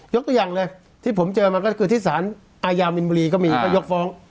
ตัวอย่างเลยที่ผมเจอมาก็คือที่สารอาญามินบุรีก็มีก็ยกฟ้อง